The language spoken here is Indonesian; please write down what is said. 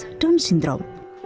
dan kondisi down sindrom